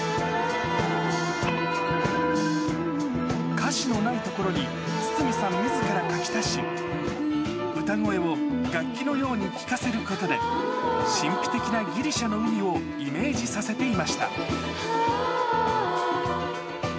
歌詞のないところに、筒美さんみずから書き足し、歌声を楽器のように聴かせることで、神秘的なギリシャの海をイメージさせていました。